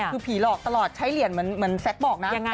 คือผีหลอกตลอดใช้เหรียญเหมือนแซ็กบอกนะ